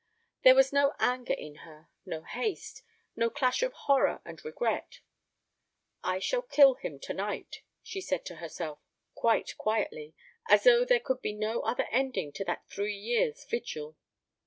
There was no anger in her, no haste, no clash of horror and regret. "I shall kill him to night," she said to herself, quite quietly, as though there could be no other ending to that three years' vigil.